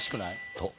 そう。